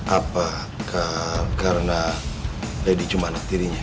apakah karena lady cuma anak dirinya